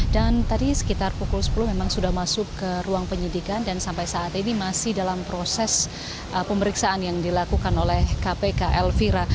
dan tadi sekitar pukul sepuluh memang sudah masuk ke ruang penyidikan dan sampai saat ini masih dalam proses pemeriksaan yang dilakukan oleh kpk elvira